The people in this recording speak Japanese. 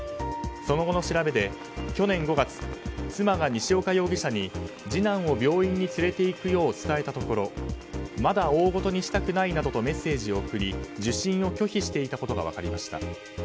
その後の調べで去年５月妻が西岡容疑者に次男を病院に連れていくよう伝えたところまだ大ごとにしたくないなどとメッセージを送り受診を拒否していたことが分かりました。